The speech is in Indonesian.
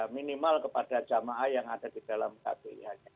minimal kepada jamaah yang ada di dalam kpih